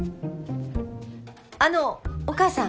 あのうお母さん。